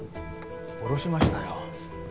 降ろしましたよ。